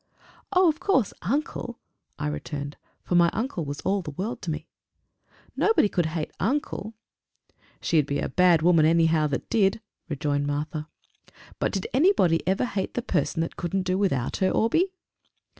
"Oh! of course! uncle!" I returned; for my uncle was all the world to me. "Nobody could hate uncle!" "She'd be a bad woman, anyhow, that did!" rejoined Martha. "But did anybody ever hate the person that couldn't do without her, Orbie?"